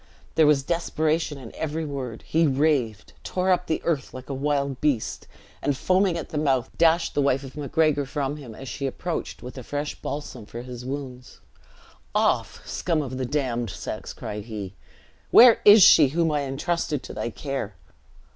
There was desperation in every word. He raved; tore up the earth like a wild beast; and, foaming at the mouth, dashed the wife of Macgregor from him, as she approached with a fresh balsam for his wounds. "Off, scum of a damned sex!" cried he. "Where is she, whom I intrusted to thy care?"